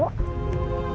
buk gimana bu